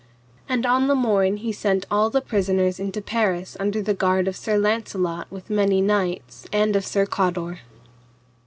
And on the morn he sent all the prisoners into Paris under the guard of Sir Launcelot, with many knights, and of Sir Cador.